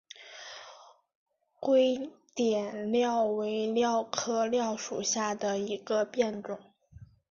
洼点蓼为蓼科蓼属下的一个变种。